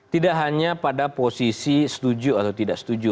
tidak hanya pada posisi setuju atau tidak setuju